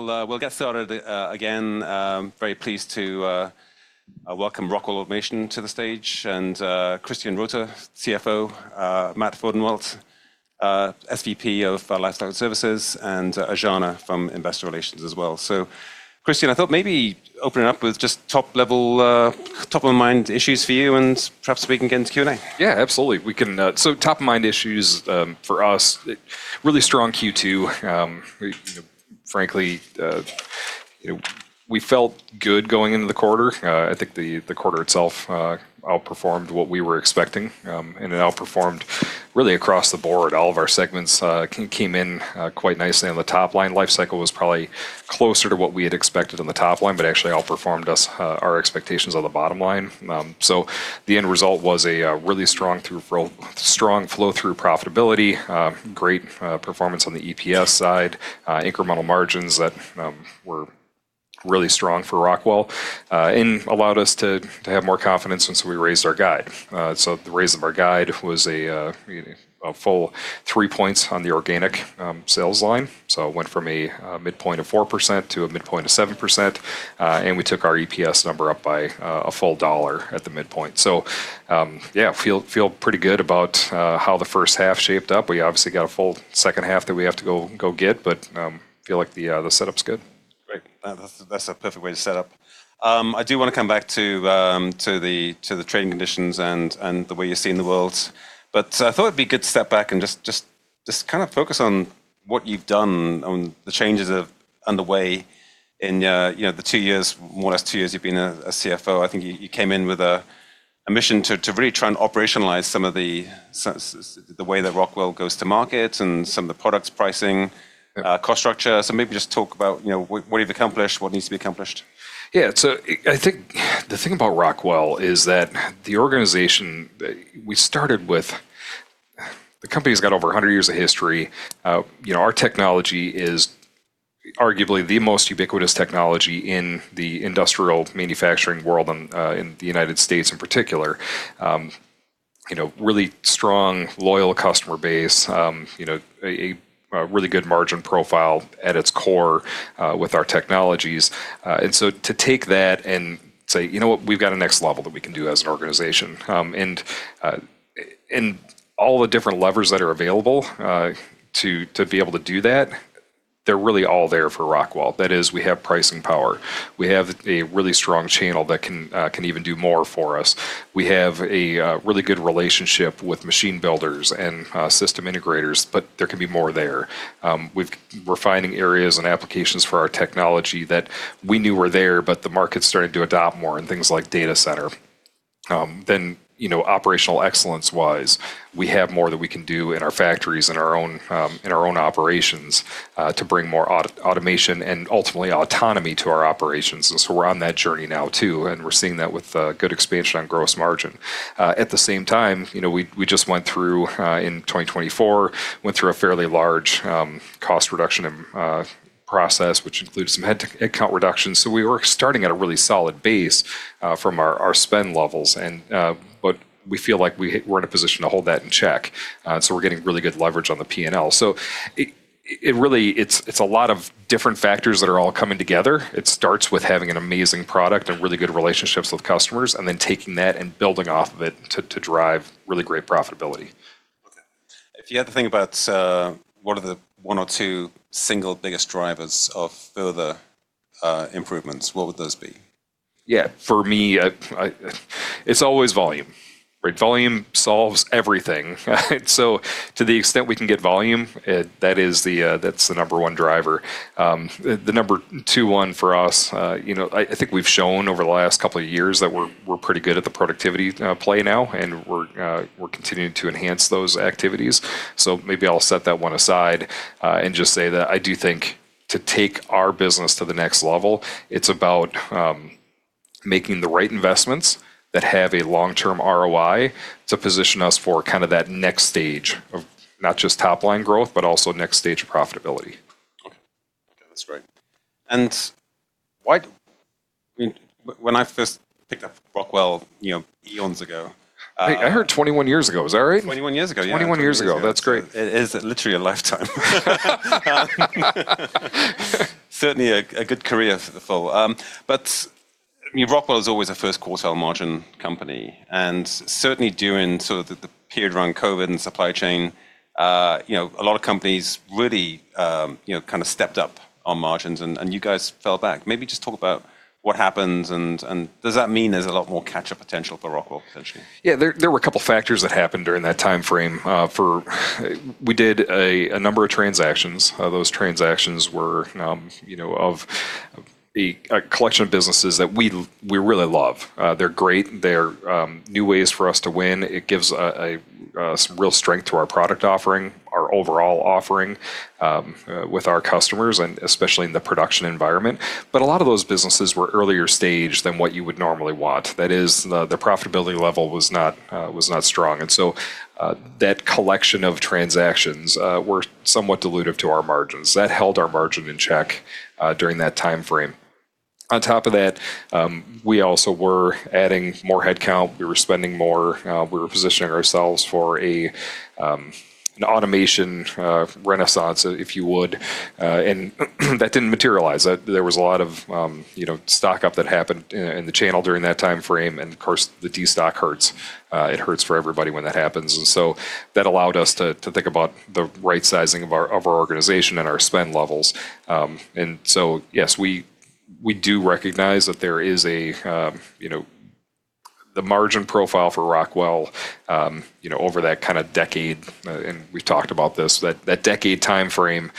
Great. We'll get started. Again, very pleased to welcome Rockwell Automation to the stage, and Christian Rothe, CFO, Matthew Fordenwalt, SVP of Lifecycle Services, and Aijana Zellner from Investor Relations as well. Christian, I thought maybe opening up with just top of mind issues for you, and perhaps we can get into Q&A. Yeah, absolutely. Top of mind issues for us, really strong Q2. Frankly, we felt good going into the quarter. I think the quarter itself outperformed what we were expecting, and it outperformed really across the board. All of our segments came in quite nicely on the top line. Lifecycle was probably closer to what we had expected on the top line, but actually outperformed our expectations on the bottom line. The end result was a really strong flow-through profitability, great performance on the EPS side, incremental margins that were really strong for Rockwell, and allowed us to have more confidence since we raised our guide. The raise of our guide was a full 3 points on the organic sales line. It went from a midpoint of 4% to a midpoint of 7%, and we took our EPS number up by $1 at the midpoint. Yeah, feel pretty good about how the first half shaped up. We obviously got a full second half that we have to go get, but feel like the setup's good. Great. That's a perfect way to set up. I do want to come back to the trading conditions and the way you're seeing the world. I thought it'd be good to step back and just kind of focus on what you've done and the changes underway in the two years, more or less two years you've been a CFO. I think you came in with a mission to really try and operationalize some of the way that Rockwell goes to market and some of the products pricing, cost structure. Maybe just talk about what you've accomplished, what needs to be accomplished. I think the thing about Rockwell is that the organization we started with, the company's got over 100 years of history. Our technology is arguably the most ubiquitous technology in the industrial manufacturing world and the U.S. in particular. Really strong, loyal customer base, a really good margin profile at its core with our technologies. To take that and say, "You know what, we've got a next level that we can do as an organization." All the different levers that are available to be able to do that, they're really all there for Rockwell. That is, we have pricing power. We have a really strong channel that can even do more for us. We have a really good relationship with machine builders and system integrators, there can be more there. We're finding areas and applications for our technology that we knew were there, but the market's starting to adopt more in things like data center. Operational excellence-wise, we have more that we can do in our factories, in our own operations, to bring more automation and ultimately autonomy to our operations. We're on that journey now, too, and we're seeing that with good expansion on gross margin. At the same time, we just went through, in 2024, went through a fairly large cost reduction process, which includes some headcount reduction. We were starting at a really solid base from our spend levels, but we feel like we're in a position to hold that in check. We're getting really good leverage on the P&L. Really, it's a lot of different factors that are all coming together. It starts with having an amazing product and really good relationships with customers, and then taking that and building off of it to drive really great profitability. Okay. If you had to think about what are the one or two single biggest drivers of further improvements, what would those be? Yeah. For me, it's always volume, right? Volume solves everything, right? To the extent we can get volume, that's the number 1 driver. The number two one for us, I think we've shown over the last couple of years that we're pretty good at the productivity play now, and we're continuing to enhance those activities. Maybe I'll set that one aside, and just say that I do think to take our business to the next level, it's about making the right investments that have a long-term ROI to position us for kind of that next stage of not just top-line growth, but also next stage of profitability. Okay. That's great. When I first picked up Rockwell eons ago. I heard 21 years ago. Is that right? 21 years ago, yeah. 21 years ago. That's great. It is literally a lifetime. Certainly a good career for the full. Rockwell was always a first quartile margin company, and certainly during sort of the period around COVID and supply chain, a lot of companies really kind of stepped up on margins, and you guys fell back. Maybe just talk about what happened, and does that mean there's a lot more catch-up potential for Rockwell, potentially? Yeah, there were a couple of factors that happened during that timeframe. We did a number of transactions. Those transactions were of a collection of businesses that we really love. They're great. They're new ways for us to win. It gives some real strength to our product offering, our overall offering with our customers, and especially in the production environment. A lot of those businesses were earlier stage than what you would normally want. That is, the profitability level was not strong. That collection of transactions were somewhat dilutive to our margins. That held our margin in check during that timeframe. On top of that, we also were adding more headcount. We were spending more. We were positioning ourselves for an automation renaissance, if you would, and that didn't materialize. There was a lot of stock-up that happened in the channel during that timeframe, of course, the destock hurts. It hurts for everybody when that happens. That allowed us to think about the right sizing of our organization and our spend levels. Yes, we do recognize that the margin profile for Rockwell over that kind of decade, and we've talked about this, that decade timeframe,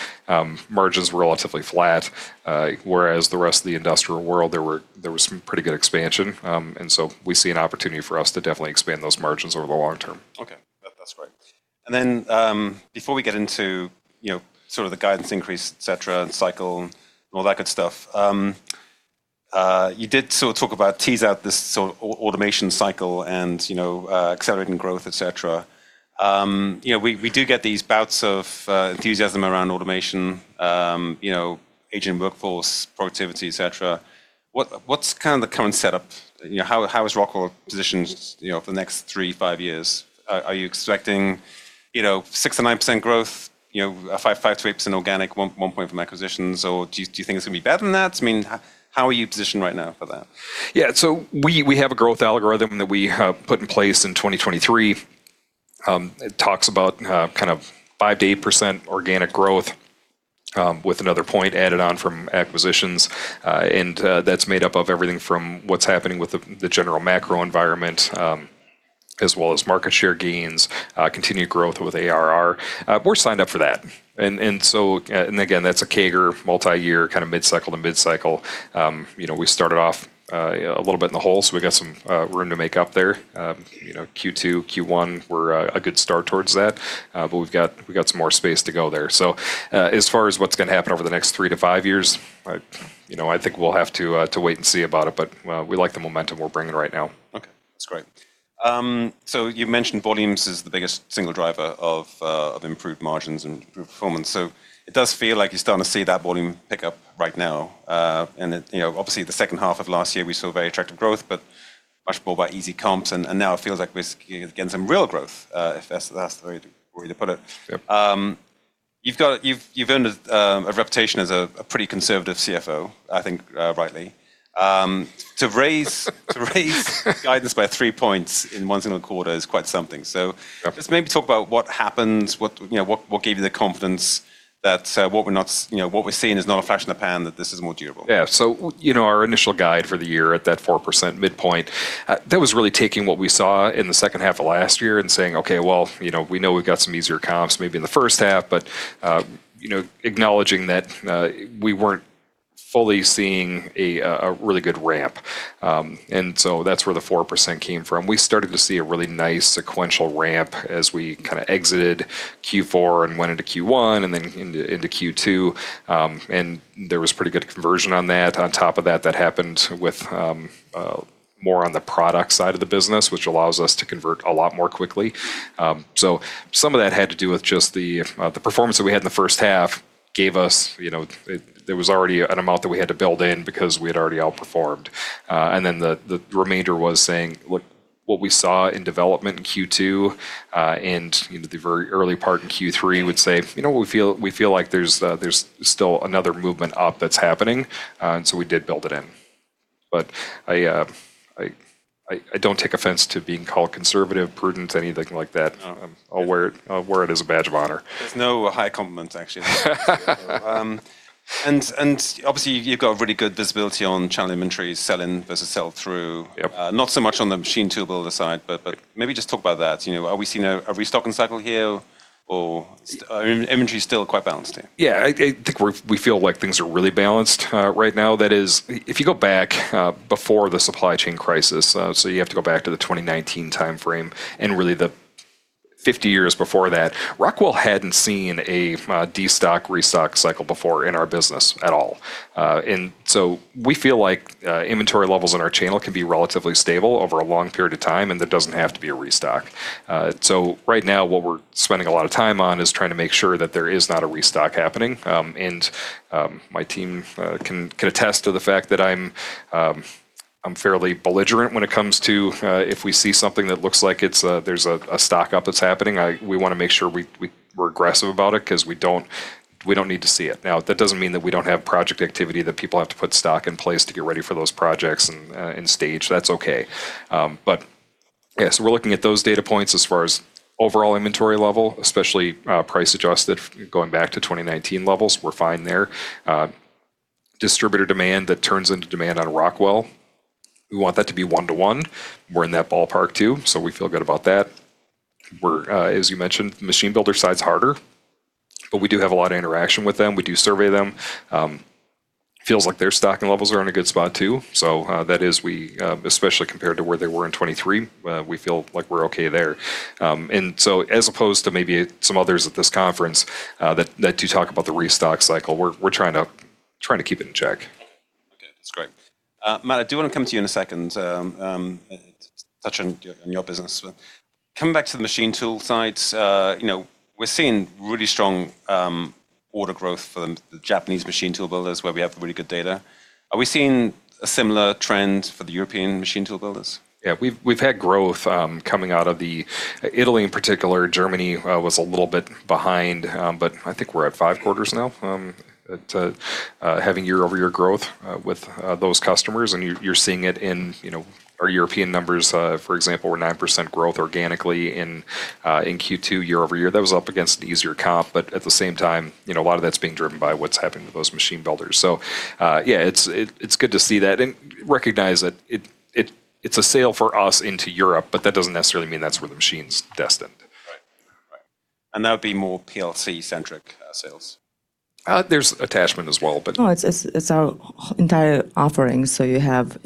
margins were relatively flat, whereas the rest of the industrial world, there was some pretty good expansion. We see an opportunity for us to definitely expand those margins over the long term. Okay. That's great. Before we get into sort of the guidance increase, et cetera, and cycle and all that good stuff, you did sort of talk about tease out this sort of automation cycle and accelerating growth, et cetera. We do get these bouts of enthusiasm around automation, agent workforce, productivity, et cetera. What's kind of the current setup? How is Rockwell positioned for the next three, five years? Are you expecting 6% to 9% growth, 5% to 8% organic, 1% from acquisitions, or do you think it's going to be better than that? How are you positioned right now for that? Yeah. We have a growth algorithm that we put in place in 2023. It talks about kind of 5%-8% organic growth, with another point added on from acquisitions. That's made up of everything from what's happening with the general macro environment, as well as market share gains, continued growth with ARR. We're signed up for that. Again, that's a CAGR, multi-year, kind of mid-cycle to mid-cycle. We started off a little bit in the hole, we got some room to make up there. Q2, Q1 were a good start towards that. We've got some more space to go there. As far as what's going to happen over the next three to five years, I think we'll have to wait and see about it, but we like the momentum we're bringing right now. Okay. That's great. You've mentioned volumes is the biggest single driver of improved margins and improved performance. It does feel like you're starting to see that volume pick up right now. Obviously the second half of last year, we saw very attractive growth, but much more by easy comps, and now it feels like we're getting some real growth, if that's the way to put it. Yep. You've earned a reputation as a pretty conservative CFO, I think rightly. To raise guidance by 3 points in one single quarter is quite something. Yep Maybe talk about what happened, what gave you the confidence that what we're seeing is not a flash in the pan, that this is more durable? Our initial guide for the year at that 4% midpoint, that was really taking what we saw in the second half of last year and saying, "Okay, well, we know we've got some easier comps maybe in the first half," but acknowledging that we weren't fully seeing a really good ramp. That's where the 4% came from. We started to see a really nice sequential ramp as we kind of exited Q4 and went into Q1, and then into Q2. There was pretty good conversion on that. On top of that happened with more on the product side of the business, which allows us to convert a lot more quickly. Some of that had to do with just the performance that we had in the first half gave us, there was already an amount that we had to build in because we had already outperformed. The remainder was saying what we saw in development in Q2, and the very early part in Q3 would say, "We feel like there's still another movement up that's happening," and so we did build it in. I don't take offense to being called conservative, prudent, anything like that. No. I'll wear it as a badge of honor. There's no higher compliment, actually. Obviously you've got really good visibility on channel inventories, sell-in versus sell-through. Yep. Not so much on the machine tool builder side, maybe just talk about that. Are we seeing a restocking cycle here, or are inventory still quite balanced here? I think we feel like things are really balanced right now. That is, if you go back before the supply chain crisis, so you have to go back to the 2019 timeframe, and really the 50 years before that, Rockwell hadn't seen a destock, restock cycle before in our business at all. We feel like inventory levels in our channel can be relatively stable over a long period of time, and that doesn't have to be a restock. Right now, what we're spending a lot of time on is trying to make sure that there is not a restock happening. My team can attest to the fact that I'm fairly belligerent when it comes to, if we see something that looks like there's a stock-up that's happening, we want to make sure we're aggressive about it because we don't need to see it. That doesn't mean that we don't have project activity, that people have to put stock in place to get ready for those projects and stage. That's okay. We're looking at those data points as far as overall inventory level, especially price-adjusted, going back to 2019 levels. We're fine there. Distributor demand that turns into demand on Rockwell, we want that to be one-to-one. We're in that ballpark, too, we feel good about that. As you mentioned, the machine builder side's harder, we do have a lot of interaction with them. We do survey them. Feels like their stocking levels are in a good spot, too, especially compared to where they were in 2023. We feel like we're okay there. As opposed to maybe some others at this conference that do talk about the restock cycle, we're trying to keep it in check. Okay. That's great. Matt, I do want to come to you in a second. Touch on in your business. Coming back to the machine tool side, we're seeing really strong order growth for the Japanese machine tool builders where we have really good data. Are we seeing a similar trend for the European machine tool builders? We've had growth coming out of Italy in particular. Germany was a little bit behind. I think we're at five quarters now, at having year-over-year growth with those customers. You're seeing it in our European numbers, for example, were 9% growth organically in Q2 year-over-year. That was up against an easier comp. At the same time, a lot of that's being driven by what's happening with those machine builders. It's good to see that and recognize that it's a sale for us into Europe, that doesn't necessarily mean that's where the machine's destined. Right. Right. That would be more PLC centric sales. There's attachment as well. No, it's our entire offering, so you have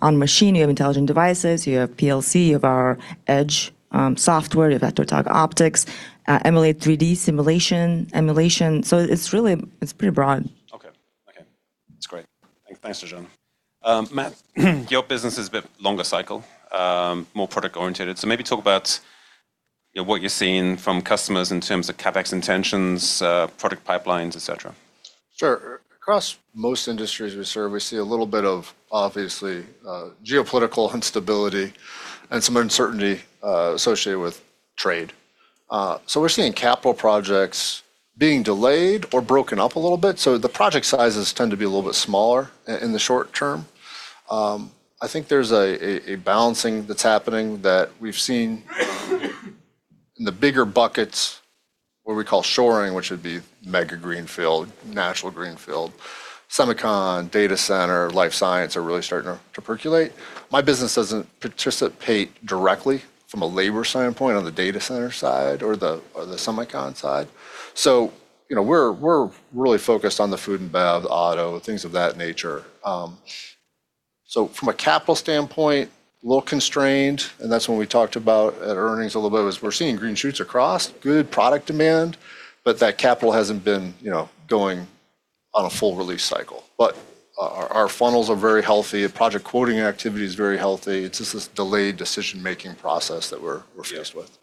on machine, you have intelligent devices, you have PLC, you have our edge software, you have FactoryTalk Optix, Emulate3D simulation emulation. It's pretty broad. Okay. Okay. That's great. Thanks, Aijana. Matthew, your business is a bit longer cycle, more product-orientated. Maybe talk about what you're seeing from customers in terms of CapEx intentions, product pipelines, et cetera. Sure. Across most industries we serve, we see a little bit of obviously, geopolitical instability and some uncertainty associated with trade. We're seeing capital projects being delayed or broken up a little bit. The project sizes tend to be a little bit smaller in the short term. I think there's a balancing that's happening that we've seen in the bigger buckets, what we call shoring, which would be mega greenfield, natural greenfield, semicon, data center, life science are really starting to percolate. My business doesn't participate directly from a labor standpoint on the data center side or the semicon side. We're really focused on the food and bev, auto, things of that nature. From a capital standpoint, a little constrained, and that's when we talked about at earnings a little bit was we're seeing green shoots across, good product demand, but that capital hasn't been going on a full release cycle. Our funnels are very healthy. Project quoting activity is very healthy. It's just this delayed decision-making process that we're faced with.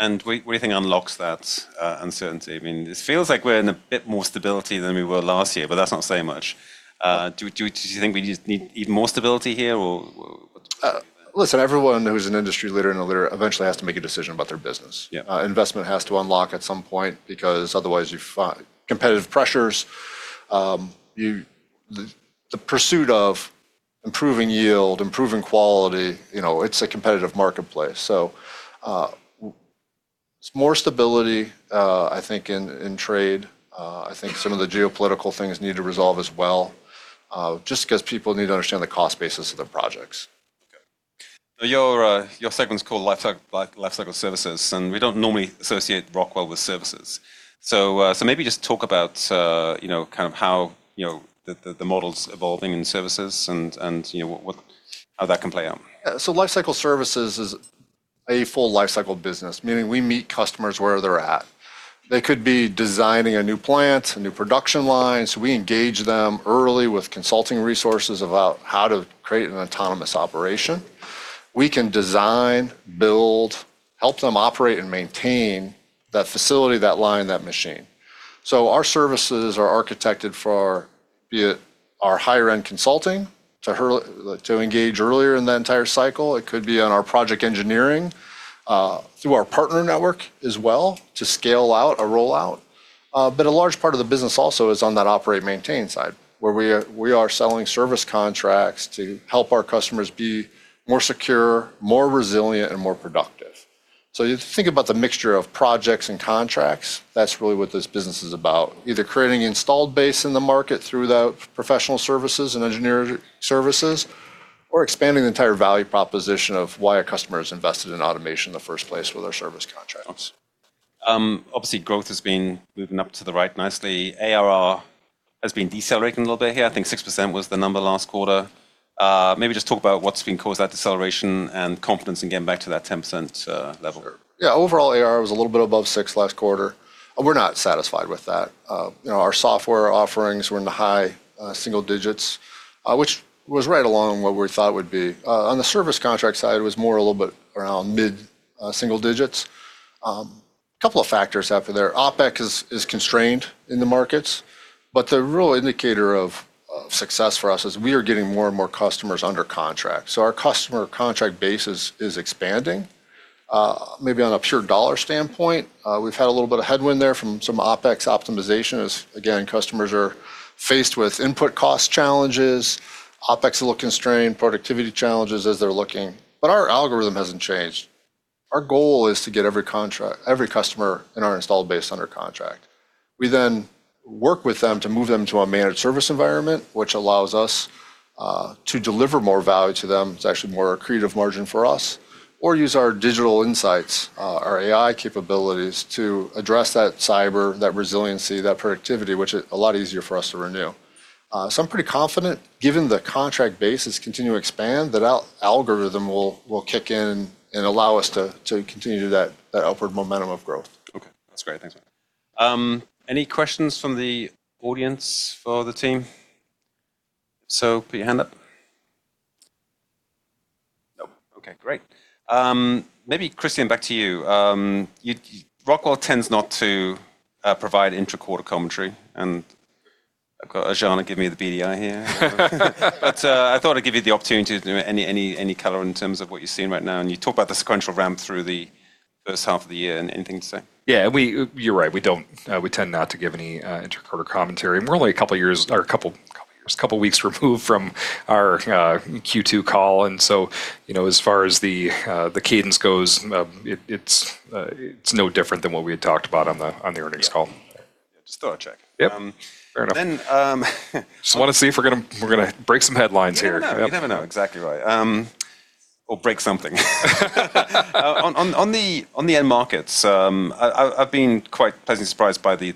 Yeah. What do you think unlocks that uncertainty? I mean, this feels like we're in a bit more stability than we were last year, but that's not saying much. Do you think we just need even more stability here or what? Listen, everyone who's an industry leader and a leader eventually has to make a decision about their business. Yeah. Investment has to unlock at some point because otherwise you've competitive pressures. The pursuit of improving yield, improving quality, it's a competitive marketplace. It's more stability, I think in trade. I think some of the geopolitical things need to resolve as well, just because people need to understand the cost basis of the projects. Okay. Your segment's called Lifecycle Services, and we don't normally associate Rockwell with services. Maybe just talk about, kind of how, the model's evolving in services and how that can play out. Yeah. Lifecycle Services is a full life cycle business, meaning we meet customers where they're at. They could be designing a new plant, a new production line. We engage them early with consulting resources about how to create an autonomous operation. We can design, build, help them operate and maintain that facility, that line, that machine. Our services are architected for be it our higher end consulting to engage earlier in the entire cycle. It could be on our project engineering, through our partner network as well to scale out a rollout. A large part of the business also is on that operate and maintain side, where we are selling service contracts to help our customers be more secure, more resilient, and more productive. You think about the mixture of projects and contracts, that's really what this business is about. Either creating installed base in the market through the professional services and engineering services, or expanding the entire value proposition of why a customer is invested in automation in the first place with our service contracts. Obviously, growth has been moving up to the right nicely. ARR has been decelerating a little bit here. I think 6% was the number last quarter. Maybe just talk about what's been caused that deceleration and confidence in getting back to that 10% level? Sure. Yeah. Overall, ARR was a little bit above 6% last quarter. We're not satisfied with that. Our software offerings were in the high single digits, which was right along what we thought it would be. On the service contract side, it was more a little bit around mid single digits. Couple of factors after there. OpEx is constrained in the markets. The real indicator of success for us is we are getting more and more customers under contract. Our customer contract base is expanding. Maybe on a pure dollar standpoint, we've had a little bit of headwind there from some OpEx optimization as, again, customers are faced with input cost challenges, OpEx a little constrained, productivity challenges as they're looking. Our algorithm hasn't changed. Our goal is to get every contract, every customer in our installed base under contract. We work with them to move them to a managed service environment, which allows us to deliver more value to them. It's actually more accretive margin for us. Use our digital insights, our AI capabilities to address that cyber, that resiliency, that productivity, which is a lot easier for us to renew. I'm pretty confident given the contract base has continued to expand, that our algorithm will kick in and allow us to continue to that upward momentum of growth. Okay. That's great. Thanks, Matt. Any questions from the audience for the team? If so, put your hand up. Nope. Okay, great. Maybe Christian, back to you. Rockwell tends not to provide intra-quarter commentary, and I've got Aijana giving me the beady eye here. I thought I'd give you the opportunity to do any color in terms of what you're seeing right now. You talk about the sequential ramp through the first half of the year, and anything to say? Yeah. You're right. We tend not to give any intra-quarter commentary. We're only a couple of weeks removed from our Q2 call. As far as the cadence goes, it's no different than what we had talked about on the earnings call. Yeah. Just thought I'd check. Yep. Fair enough. Then. Just want to see if we're going to break some headlines here. Yeah, you never know. You never know. Exactly right. Or break something. On the end markets, I've been quite pleasantly surprised by the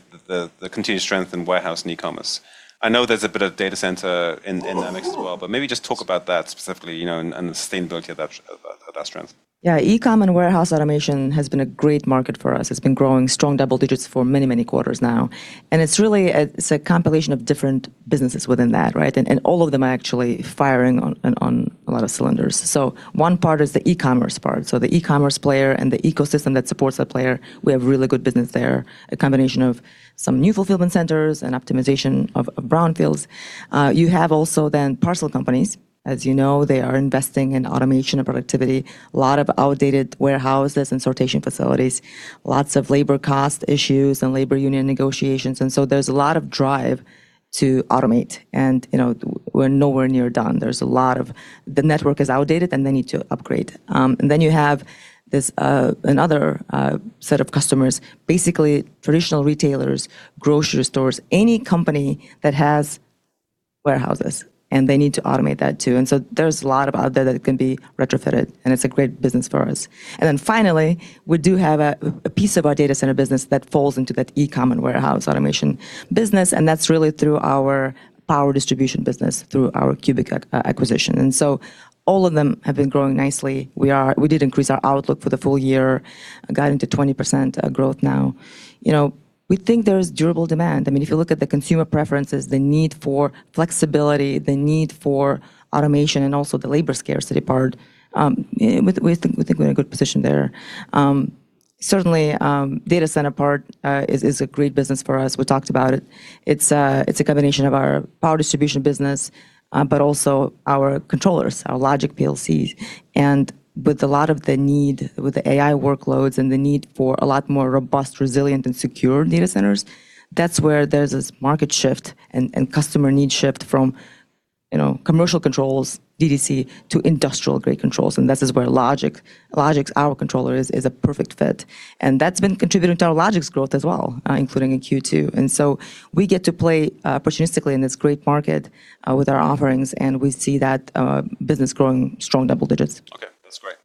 continued strength in warehouse and e-commerce. I know there's a bit of data center in that mix as well, but maybe just talk about that specifically and the sustainability of that strength. Yeah. E-com and warehouse automation has been a great market for us. It's been growing strong double digits for many quarters now. It's a compilation of different businesses within that, right? All of them are actually firing on a lot of cylinders. One part is the e-commerce part, the e-commerce player and the ecosystem that supports that player, we have really good business there. A combination of some new fulfillment centers and optimization of brownfields. You have also parcel companies. As you know, they are investing in automation and productivity. A lot of outdated warehouses and sortation facilities, lots of labor cost issues and labor union negotiations, there's a lot of drive to automate, we're nowhere near done. The network is outdated, they need to upgrade. Then you have another set of customers, basically traditional retailers, grocery stores, any company that has warehouses, and they need to automate that too, and so there's a lot out there that can be retrofitted, and it's a great business for us. Then finally, we do have a piece of our data center business that falls into that e-com and warehouse automation business, and that's really through our power distribution business through our CUBIC acquisition. So all of them have been growing nicely. We did increase our outlook for the full year, guiding to 20% growth now. We think there's durable demand. If you look at the consumer preferences, the need for flexibility, the need for automation, and also the labor scarcity part, we think we're in a good position there. Certainly, data center part is a great business for us. We talked about it. It's a combination of our power distribution business, but also our controllers, our Logix PLCs. With a lot of the need with the AI workloads and the need for a lot more robust, resilient, and secure data centers, that's where there's this market shift and customer need shift from commercial controls, DDC, to industrial-grade controls. This is where Logix, our controller, is a perfect fit. That's been contributing to our Logix growth as well, including in Q2. We get to play opportunistically in this great market with our offerings, and we see that business growing strong double digits. Okay, that's great.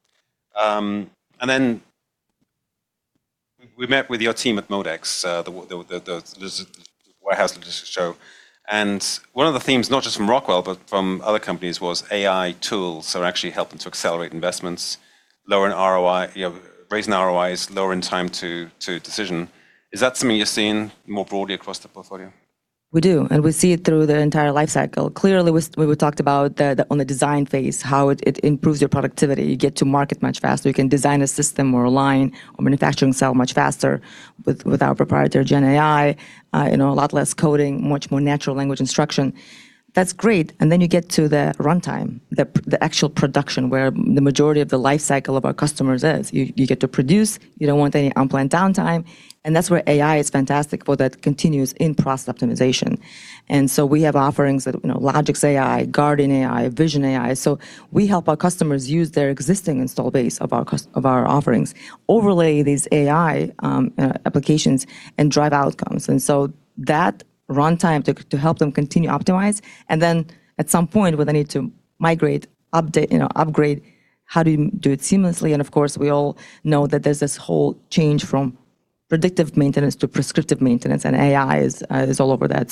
We met with your team at MODEX, the warehouse logistics show, and one of the themes, not just from Rockwell but from other companies was AI tools are actually helping to accelerate investments, raising ROIs, lowering time to decision. Is that something you're seeing more broadly across the portfolio? We do. We see it through the entire life cycle. We talked about on the design phase how it improves your productivity. You get to market much faster. You can design a system or a line or manufacturing cell much faster with our proprietary gen AI, a lot less coding, much more natural language instruction. That's great. You get to the runtime, the actual production, where the majority of the life cycle of our customers is. You get to produce. You don't want any unplanned downtime. That's where AI is fantastic for that continuous in-process optimization. We have offerings that LogixAI, Guardian AI, Vision AI. We help our customers use their existing install base of our offerings, overlay these AI applications, and drive outcomes. That runtime to help them continue to optimize, and then at some point, where they need to migrate, update, upgrade, how do you do it seamlessly? Of course, we all know that there's this whole change from predictive maintenance to prescriptive maintenance, and AI is all over that.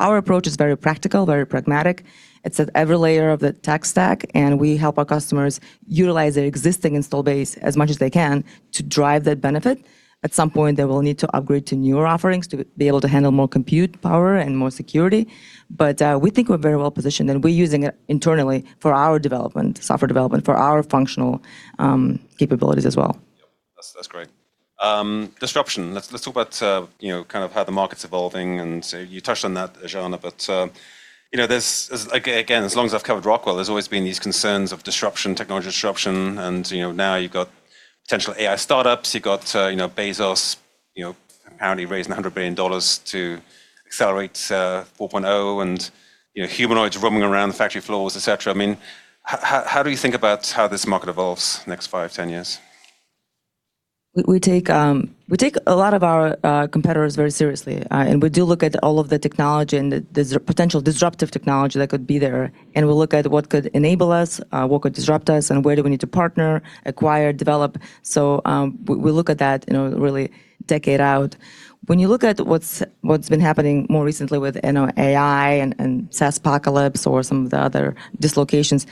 Our approach is very practical, very pragmatic. It's at every layer of the tech stack, and we help our customers utilize their existing install base as much as they can to drive that benefit. At some point, they will need to upgrade to newer offerings to be able to handle more compute power and more security. We think we're very well-positioned, and we're using it internally for our development, software development, for our functional capabilities as well. Yep. That's great. Disruption. Let's talk about how the market's evolving, and so you touched on that, Aijana, but again, as long as I've covered Rockwell, there's always been these concerns of disruption, technology disruption, and now you've got potential AI startups. You got Bezos apparently raising $100 billion to accelerate 4.0 and humanoids roaming around the factory floors, et cetera. How do you think about how this market evolves next 5, 10 years? We take a lot of our competitors very seriously, and we do look at all of the technology and the potential disruptive technology that could be there, and we look at what could enable us, what could disrupt us, and where do we need to partner, acquire, develop. We look at that really decade out. When you look at what's been happening more recently with AI and SaaSpocalypse or some of the other dislocations.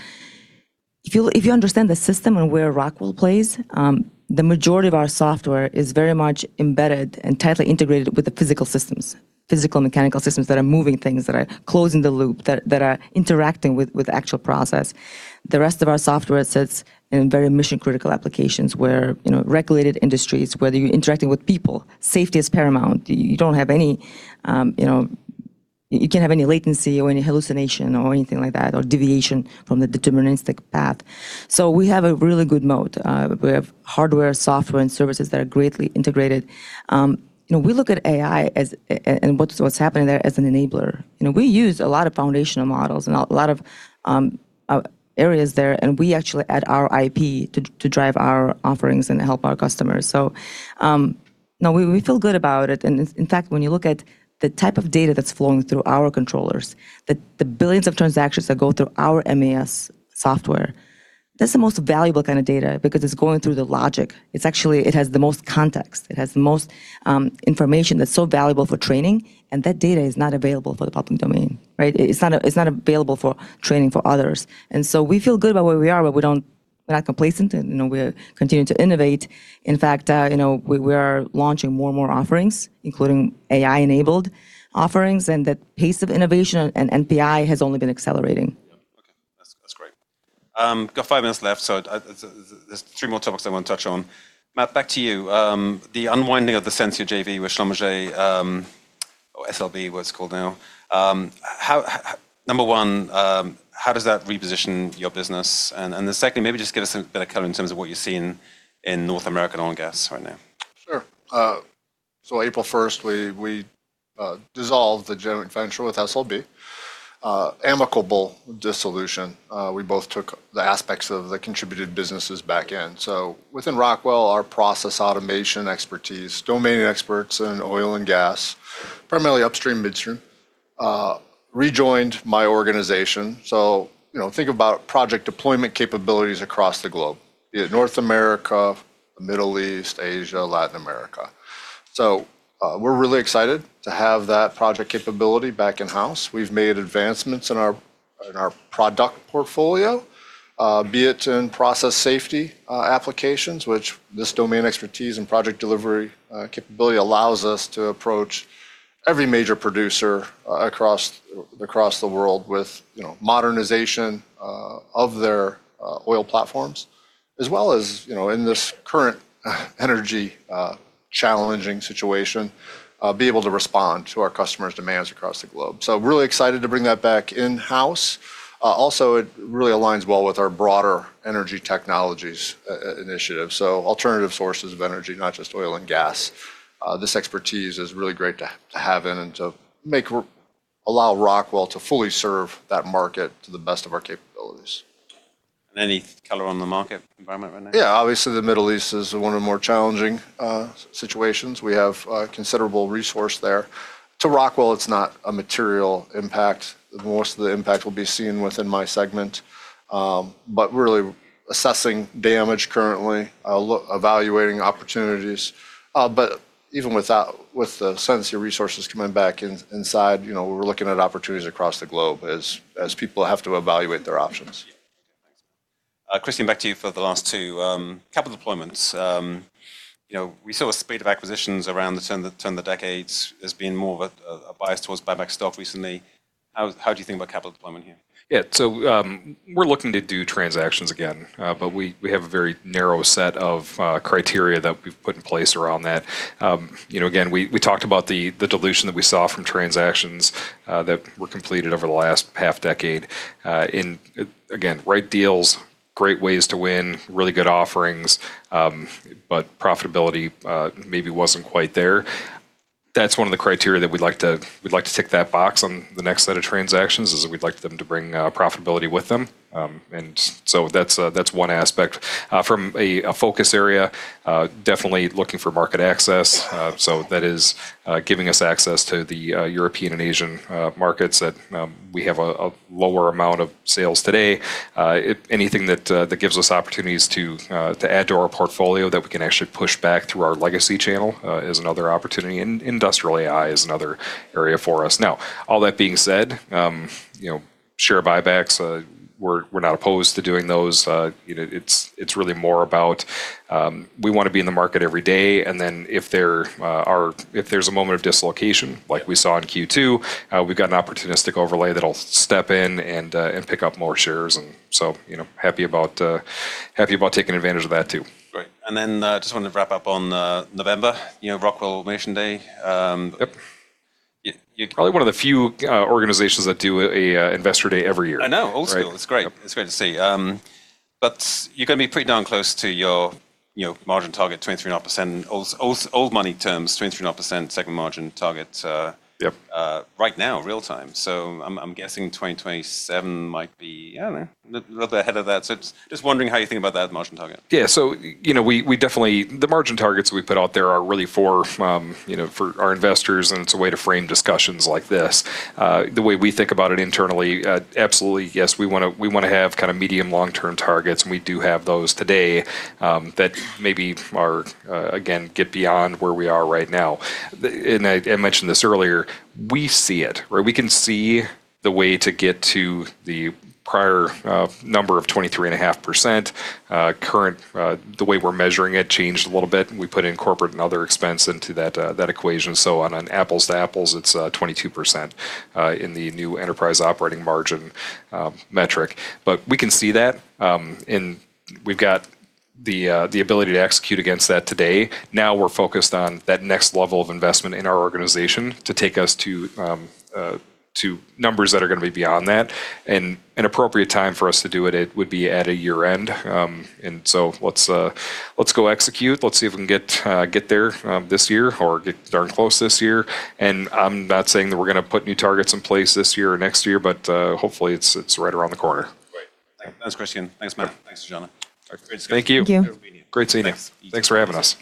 If you understand the system and where Rockwell plays, the majority of our software is very much embedded and tightly integrated with the physical systems, physical mechanical systems that are moving things, that are closing the loop, that are interacting with actual process. The rest of our software sits in very mission-critical applications where, regulated industries, where you're interacting with people, safety is paramount. You can't have any latency or any hallucination or anything like that, or deviation from the deterministic path. We have a really good moat. We have hardware, software, and services that are greatly integrated. We look at AI and what's happening there as an enabler. We use a lot of foundational models in a lot of our areas there, and we actually add our IP to drive our offerings and help our customers. No, we feel good about it. In fact, when you look at the type of data that's flowing through our controllers, the billions of transactions that go through our MES software, that's the most valuable kind of data because it's going through the logic. It's actually, it has the most context, it has the most information that's so valuable for training, and that data is not available for the public domain, right? It's not available for training for others. We feel good about where we are, but we're not complacent, and we're continuing to innovate. In fact, we are launching more and more offerings, including AI-enabled offerings, and the pace of innovation and NPI has only been accelerating. Yeah. Okay. That's great. Got five minutes left, there's three more topics I want to touch on. Matt, back to you. The unwinding of the Sensia JV with Schlumberger, or SLB, what it's called now. Number one, how does that reposition your business? Secondly, maybe just give us a bit of color in terms of what you're seeing in North American oil and gas right now. Sure. April 1st, we dissolved the joint venture with SLB. Amicable dissolution. We both took the aspects of the contributed businesses back in. Within Rockwell, our process automation expertise, domain experts in oil and gas, primarily upstream, midstream, rejoined my organization. Think about project deployment capabilities across the globe, be it North America, Middle East, Asia, Latin America. We're really excited to have that project capability back in-house. We've made advancements in our product portfolio, be it in process safety applications, which this domain expertise and project delivery capability allows us to approach every major producer across the world with modernization of their oil platforms, as well as, in this current energy challenging situation, be able to respond to our customers' demands across the globe. Really excited to bring that back in-house. It really aligns well with our broader energy technologies initiative. Alternative sources of energy, not just oil and gas. This expertise is really great to have in and to allow Rockwell to fully serve that market to the best of our capabilities. Any color on the market environment right now? Yeah, obviously the Middle East is one of the more challenging situations. We have a considerable resource there. To Rockwell, it's not a material impact. Most of the impact will be seen within my segment. We're really assessing damage currently, evaluating opportunities. Even with the Sensia resources coming back inside, we're looking at opportunities across the globe as people have to evaluate their options. Yeah. Okay, thanks. Christian, back to you for the last two. Couple deployments. We saw a spate of acquisitions around the turn of the decades as being more of a bias towards buyback stock recently. How do you think about capital deployment here? We're looking to do transactions again. We have a very narrow set of criteria that we've put in place around that. Again, we talked about the dilution that we saw from transactions that were completed over the last half decade. Again, great deals, great ways to win, really good offerings, but profitability maybe wasn't quite there. That's one of the criteria that we'd like to tick that box on the next set of transactions, is we'd like them to bring profitability with them. That's one aspect. From a focus area, definitely looking for market access. That is giving us access to the European and Asian markets that we have a lower amount of sales today. Anything that gives us opportunities to add to our portfolio that we can actually push back through our legacy channel, is another opportunity. Industrial AI is another area for us. All that being said, share buybacks, we're not opposed to doing those. It's really more about, we want to be in the market every day, and then if there's a moment of dislocation like we saw in Q2, we've got an opportunistic overlay that'll step in and pick up more shares, and so happy about taking advantage of that too. Great. Just wanted to wrap up on November, Rockwell Automation Day. Yep. Probably one of the few organizations that do an Investor Day every year. I know. Old school. Right. Yep. It's great. It's great to see. You're going to be pretty darn close to your margin target, 23.5%, old money terms. Yep right now, real time. I'm guessing 2027 might be, I don't know, a little bit ahead of that. Just wondering how you think about that margin target. Yeah. The margin targets we put out there are really for our investors, and it's a way to frame discussions like this. The way we think about it internally, absolutely, yes, we want to have kind of medium long-term targets, and we do have those today, that maybe are, again, get beyond where we are right now. I mentioned this earlier, we see it, right? We can see the way to get to the prior number of 23.5%. Current, the way we're measuring it changed a little bit, and we put in corporate and other expense into that equation. On an apples-to-apples, it's 22% in the new enterprise operating margin metric. We can see that. We've got the ability to execute against that today. Now we're focused on that next level of investment in our organization to take us to numbers that are going to be beyond that. An appropriate time for us to do it would be at a year-end. Let's go execute. Let's see if we can get there this year or get darn close this year. I'm not saying that we're going to put new targets in place this year or next year, but hopefully it's right around the corner. Great. Thanks, Christian. Thanks, Matt. Thanks, Aijana Zellner. Thank you. Thank you. Great seeing you. Thanks. Thanks for having us.